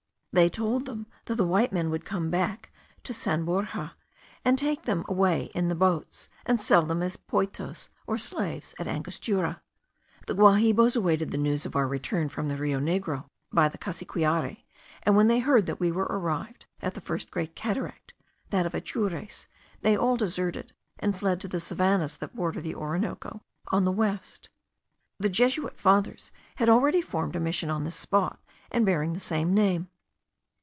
They told them, that the white men would come back to San Borja, to take them away in the boats, and sell them as poitos, or slaves, at Angostura. The Guahibos awaited the news of our return from the Rio Negro by the Cassiquiare; and when they heard that we were arrived at the first great cataract, that of Atures, they all deserted, and fled to the savannahs that border the Orinoco on the west. The Jesuit Fathers had already formed a mission on this spot, and bearing the same name.